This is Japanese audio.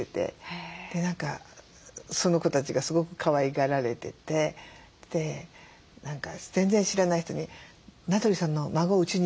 何かその子たちがすごくかわいがられてて何か全然知らない人に「名取さんの孫うちにいます」って。